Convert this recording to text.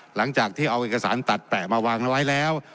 หลังจากที่เอาเอกสารตัดแปะมาวางเอาไว้แล้ว